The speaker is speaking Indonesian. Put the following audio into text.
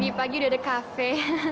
lagi pagi udah ada kafe